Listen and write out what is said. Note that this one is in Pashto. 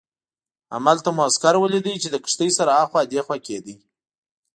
همالته مو عسکر ولید چې له کښتۍ سره اخوا دیخوا کېده.